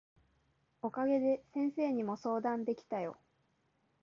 お陰で先生にも相談できたよ。